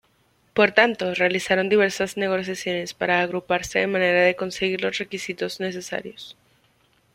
Por tanto, realizaron diversas negociaciones para agruparse de manera de conseguir los requisitos necesarios.